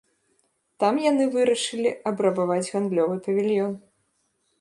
Там яны вырашылі абрабаваць гандлёвы павільён.